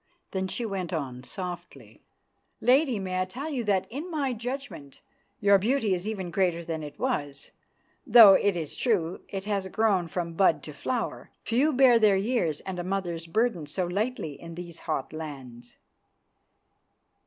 Then she went on softly, "Lady, may I tell you that, in my judgment, your beauty is even greater than it was, though it is true it has grown from bud to flower. Few bear their years and a mother's burdens so lightly in these hot lands."